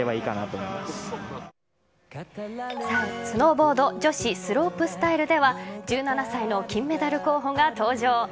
スノーボード女子スロープスタイルでは１７歳の金メダル候補が登場。